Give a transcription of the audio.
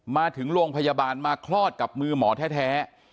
มาถึงโรงพยาบาลมาคลอดกับมือหมอแท้